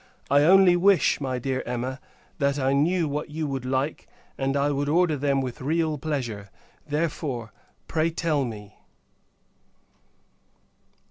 I only wish, my dear Emma, that I knew what you would like, and I would order them with real pleasure; therefore, pray tell me.